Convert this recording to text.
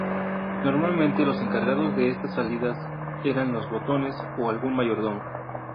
Normalmente los encargados de estas salidas eran los botones o algún mayordomo.